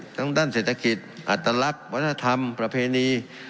ทางด้านเศรษฐกิจอัตลักษณ์วัฒนธรรมประเพณี